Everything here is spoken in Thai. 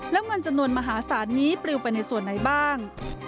แล้วเงินจำนวนมหาศาลนี้ปลิวไปในส่วนไหนบ้าง